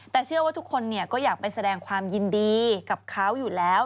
แต่เชื่อว่าทุกคนก็อยากไปแสดงความยินดีกับเขาอยู่แล้ว